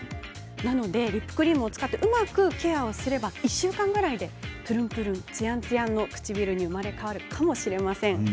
なのでリップクリームを使ってうまくケアをすれば１週間ぐらいでぷるんぷるんつやつやの唇に生まれ変わるかもしれません。